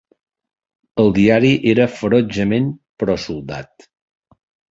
El diari era ferotgement pro-soldat.